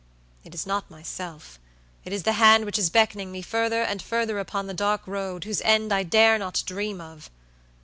It is not myself; it is the hand which is beckoning me further and further upon the dark road, whose end I dare not dream of."